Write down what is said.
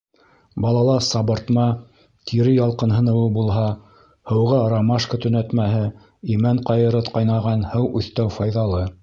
Балала сабыртма, тире ялҡынһыныуы булһа, һыуға ромашка төнәтмәһе, имән ҡайыры ҡайнаған һыу өҫтәү файҙалы.